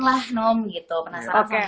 lah nom gitu penasaran